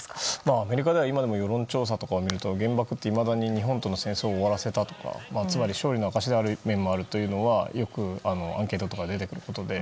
アメリカでは今も世論調査とかを見ると原爆っていまだに日本との戦争を終わらせたとかつまり勝利の証である面もあるというのはよくアンケートとかで出てくることで。